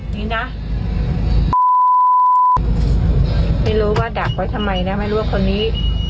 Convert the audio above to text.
นี่นะไม่รู้ว่าดักไว้ทำไมนะไม่รู้ว่าคนนี้